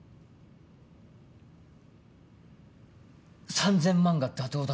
３，０００万が妥当だと思う。